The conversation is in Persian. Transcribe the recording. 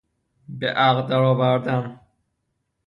به عقد درآوردن